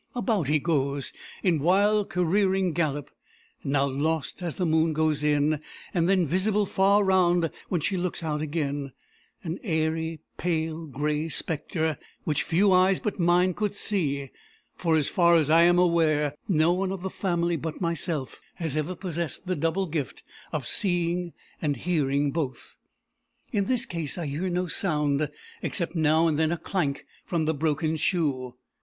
About he goes, in wild careering gallop; now lost as the moon goes in, then visible far round when she looks out again an airy, pale grey spectre, which few eyes but mine could see; for, as far as I am aware, no one of the family but myself has ever possessed the double gift of seeing and hearing both. In this case I hear no sound, except now and then a clank from the broken shoe.